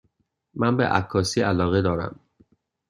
من به عکاسی علاقه دارم.